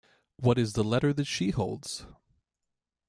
What is the letter that she holds?